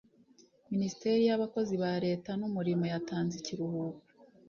Minisiteri y Abakozi ba Leta n Umurimo yatanze ikiruhuko